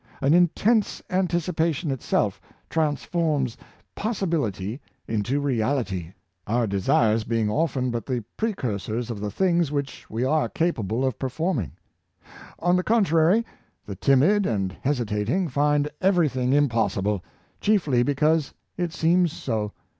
An intense anticipation itself transforms possibility into reality; our desires being often but the precursors of the things which we are ca pable of performing. On the contrary, the timid and hesitating find every thing impossible, chiefly because it seems so.